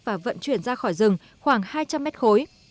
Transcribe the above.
và vận chuyển ra khỏi rừng khoảng hai trăm linh mét khối